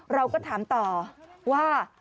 เราก็ถามต่อว่า